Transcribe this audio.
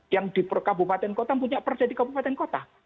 yang di kabupaten kota punya perda di kabupaten kota